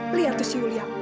eh lihat tuh si yulia